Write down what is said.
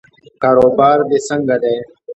کاروبار دې څنګه دی؟